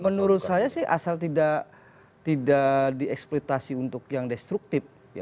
menurut saya sih asal tidak dieksploitasi untuk yang destruktif